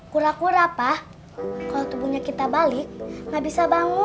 kura kurapa kalau tubuhnya kita balik nggak bisa bangun